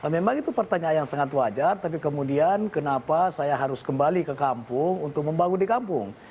memang itu pertanyaan yang sangat wajar tapi kemudian kenapa saya harus kembali ke kampung untuk membangun di kampung